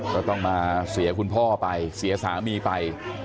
ก็ต้องมาเสียคุณพ่อไปเสียสามีไป